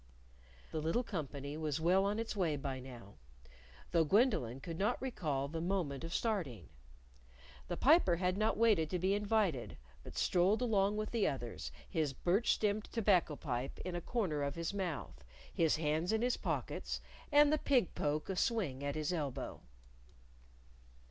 The little company was well on its way by now though Gwendolyn could not recall the moment of starting. The Piper had not waited to be invited, but strolled along with the others, his birch stemmed tobacco pipe in a corner of his mouth, his hands in his pockets, and the pig poke a swing at his elbow.